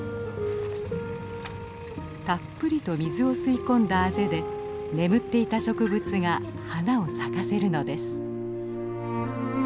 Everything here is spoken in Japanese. たっぷりと水を吸い込んだあぜで眠っていた植物が花を咲かせるのです。